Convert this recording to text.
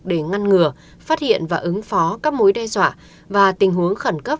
để ngăn ngừa phát hiện và ứng phó các mối đe dọa và tình huống khẩn cấp